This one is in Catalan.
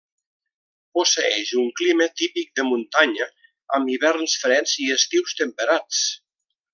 Posseïx un clima típic de muntanya, amb hiverns freds i estius temperats.